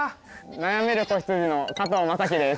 悩める子羊の加藤正貴です。